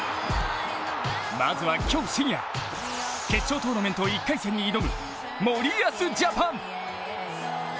まずは今日深夜決勝トーナメント１回戦に挑む森保ジャパン。